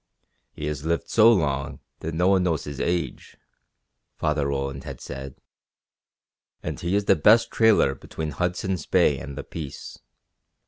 "He has lived so long that no one knows his age," Father Roland had said, "and he is the best trailer between Hudson's Bay and the Peace."